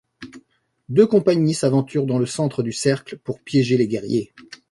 Deux compagnies s'aventurent dans le centre du cercle pour piéger les guerriers.